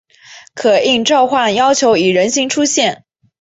可应召唤者要求以人形出现。